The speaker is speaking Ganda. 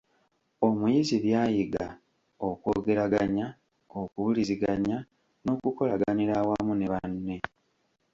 Omuyizi by'ayiga: okwogeraganya, okuwuliziganya n’okukolaganira awamu ne banne.